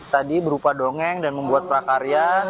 tadi berupa dongeng dan membuat prakarya